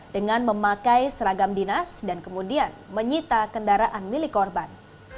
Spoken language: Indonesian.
dengan memakai seragam dinas dan kemudian menyita kendaraan milik korban